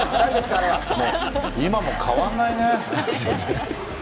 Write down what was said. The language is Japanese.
今も変わらないね。